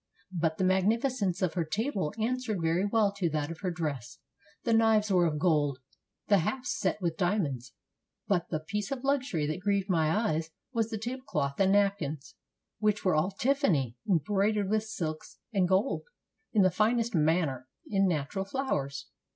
But the magnificence of her table answered very well to that of her dress. The knives were of gold, the hafts set with diamonds. But the piece of luxury that grieved my eyes was the table cloth and napkins, which were all tiffany, embroidered with silks and gold, in the finest manner, in natural flow ers.